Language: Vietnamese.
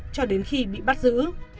cho đến khi bị bắt giữ